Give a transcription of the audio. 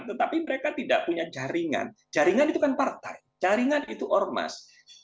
tetapi mereka tidak punya jaringan jaringan itu kan partai jaringan itu ormas